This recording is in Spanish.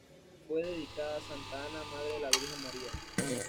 Fue dedicada a Santa Ana madre de la virgen María.